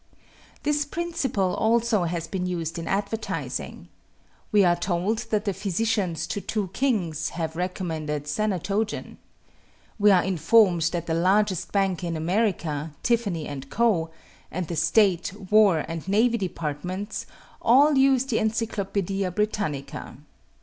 This principle also has been used in advertising. We are told that the physicians to two Kings have recommended Sanatogen. We are informed that the largest bank in America, Tiffany and Co., and The State, War, and Navy Departments, all use the Encyclopedia Britannica.